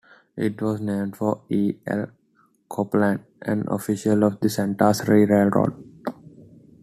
It was named for E. L. Copeland, an official of the Santa Fe Railroad.